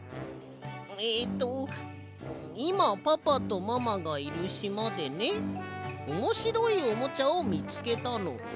えっと「いまパパとママがいるしまでねおもしろいおもちゃをみつけたの。